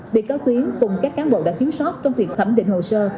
bị cáo tuyến cùng các cán bộ đã thiếu sót trong việc thẩm định hồ sơ